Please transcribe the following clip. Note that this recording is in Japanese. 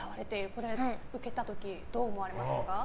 これ受けた時どう思われましたか？